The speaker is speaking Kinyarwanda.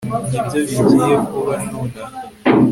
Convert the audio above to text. Nibyo bigiye kuba nonaha